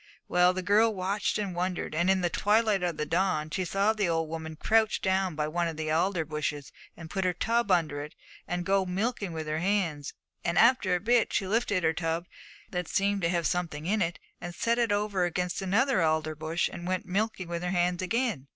Well, the girl watched and wondered, and in the twilight of the dawn she saw the old woman crouch down by one of the alder bushes, and put her tub under it, and go milking with her hands; and after a bit she lifted her tub, that seemed to have something in it, and set it over against another alder bush, and went milking with her hands again.